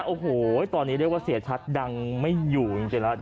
โอ้โหตอนนี้เรียกว่าเสียชัดดังไม่อยู่จริงแล้ว